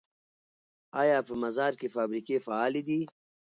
آیا په مزار کې فابریکې فعالې دي؟